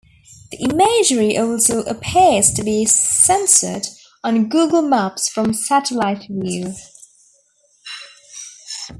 The imagery also appears to be censored on google maps from satellite view.